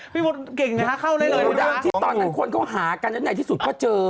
มีเดินที่ตอนนั้นคนเขาหากันอย่างใหญ่ที่สุดพอเจอ